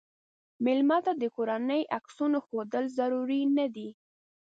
مېلمه ته د کورنۍ عکسونه ښودل ضرور نه دي.